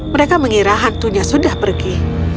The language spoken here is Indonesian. mereka mengira hantunya sudah pergi